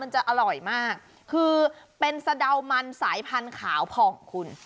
จะอร่อยมากคือเป็นสะดาวมันสายพันธุ์ขาวผ่องคุณ